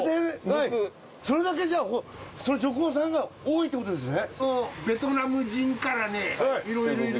それだけ女工さんが多いってことですね？